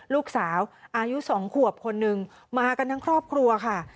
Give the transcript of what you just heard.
ลูกสาวอายุ๒ขวบคนนึงมากันทั้งครอบครัวค่ะ